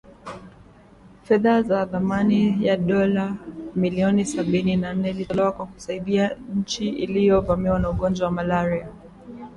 Fedhaa za thamani ya dola milioni Sabini na nne ilitolewa kwa kusaidia inchi iliyo vamiwa na ugonjwa wa malaria